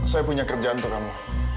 saya punya kerjaan untuk kamu